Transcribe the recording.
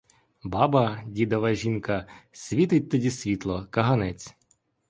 Баба, дідова жінка, світить тоді світло, каганець.